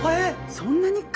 そんなにか？